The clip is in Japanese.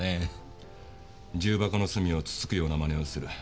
重箱の隅をつつくような真似をする。